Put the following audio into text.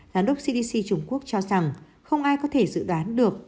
giám đốc cdc trung quốc cho rằng không ai có thể dự đoán được